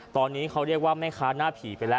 ตอนนี้เขาเรียกว่าแม่ค้าหน้าผีไปแล้ว